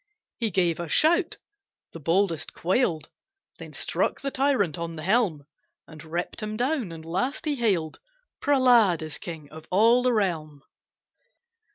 He gave a shout; the boldest quailed, Then struck the tyrant on the helm, And ripped him down; and last, he hailed Prehlad as king of all the realm!